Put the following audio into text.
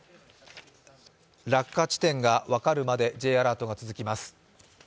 落下地点で分かるまで、Ｊアラートが続きます。